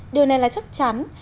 điều này là chắc chắn